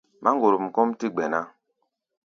Máŋgorom kɔ́ʼm tɛ́ gbɛ̧ ná.